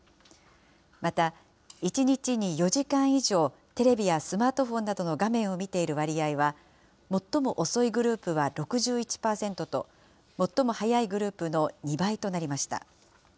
また、１日に４時間以上、テレビやスマートフォンなどの画面を見ている割合は、最も遅いグループは６１％と、最も早いグループの２倍となりました。